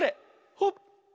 ほっ！